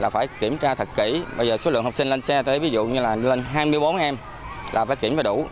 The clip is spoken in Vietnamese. bây giờ số lượng học sinh lên xe tới ví dụ như là lên hai mươi bốn em là phải kiểm đủ